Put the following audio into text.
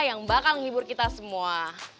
yang bakal menghibur kita semua